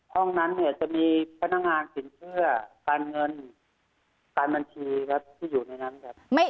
ห้องนั้นเนี่ยจะมีพนักงานสินเชื่อการเงินการบัญชีครับที่อยู่ในนั้นครับ